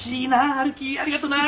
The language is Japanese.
春樹ありがとな。